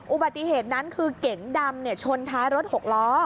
อุบัติเหตุนั้นคือเก๋งดำชนท้ายรถหกล้อ